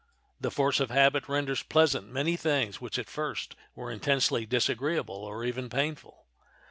The force of habit renders pleasant many things which at first were intensely disagreeable or even painful.